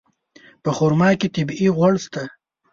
په خرما کې طبیعي غوړ شته.